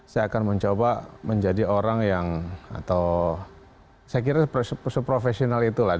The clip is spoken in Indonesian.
saya akan mencoba menjadi orang yang atau saya kira seprofesional itulah